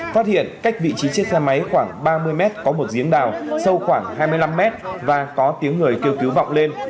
phát hiện cách vị trí chiếc xe máy khoảng ba mươi mét có một giếng đào sâu khoảng hai mươi năm mét và có tiếng người kêu cứu vọng lên